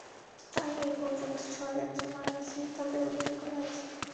তাই এ পর্যন্ত ছয় যাত্রী মারা গেছে এবং তাদের উদ্ধার করা হয়েছে।